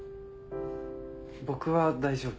僕は大丈夫。